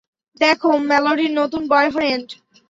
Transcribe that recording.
দেখ, মেলোডির নতুন বয়ফ্রেন্ড।